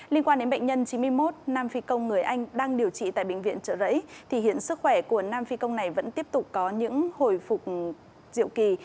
liên quan đến bệnh nhân chín mươi một nam phi công người anh đang điều trị tại bệnh viện trợ rẫy thì hiện sức khỏe của nam phi công này vẫn tiếp tục có những hồi phục diệu kỳ